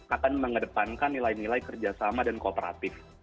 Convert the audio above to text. akan mengedepankan nilai nilai kerjasama dan kooperatif